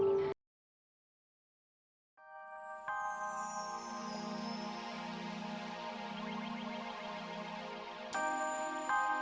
kapan kamu mulai bisa ngeliat aku